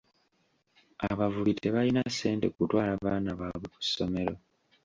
Abavubi tebalina ssente kutwala baana baabwe ku ssomero.